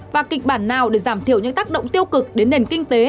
và kịch bản nào để giảm thiểu những tác động tiêu cực đến nền kinh tế